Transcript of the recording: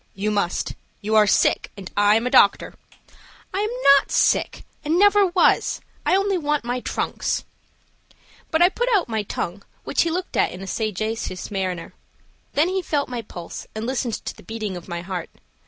"You must. You are sick, and I am a doctor." "I am not sick and never was. I only want my trunks." But I put out my tongue, which he looked at in a sagacious manner. Then he felt my pulse and listened to the beating of my heart.